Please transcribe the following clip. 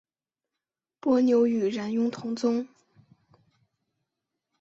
伯牛与冉雍同宗。